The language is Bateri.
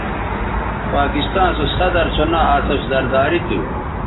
پاکستاں سو صدرسو ناں آصف زرداری تھو